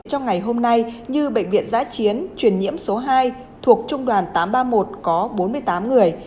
trong ngày hôm nay như bệnh viện giã chiến truyền nhiễm số hai thuộc trung đoàn tám trăm ba mươi một có bốn mươi tám người